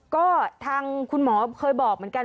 ก็ทางคุณหมอเคยบอกเหมือนกัน